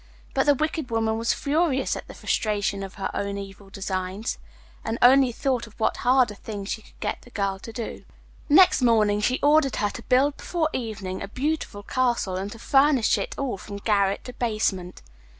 But the wicked woman was furious at the frustration of her own evil designs, and only thought of what harder thing she could set the girl to do. Next morning she ordered her to build before evening a beautiful castle, and to furnish it all from garret to basement.